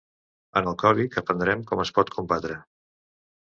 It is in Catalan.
En el còmic aprendrem com es pot combatre.